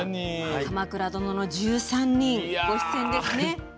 「鎌倉殿の１３人」ご出演ですね。